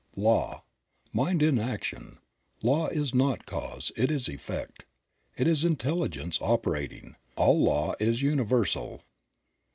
Law. — Mind in action; law is not cause, it is effect. It is intelligence operating. All law is universal.